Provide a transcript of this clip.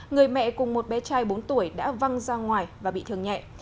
người mẹ cùng một bé trai bốn tuổi đã văng ra ngoài và bị thương nhẹ